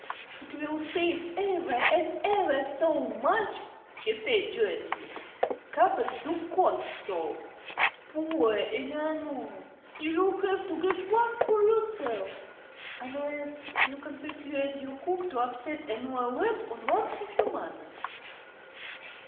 "It will save ever and ever so much," she said, joyously. "Carpets do cost so. Poor Eleanor, you will have to get one for yourself, unless you can persuade your cook to upset an oil lamp on one of your mother's."